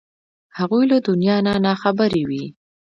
هغوی له دنیا نه نا خبرې وې.